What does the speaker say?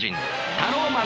タローマン！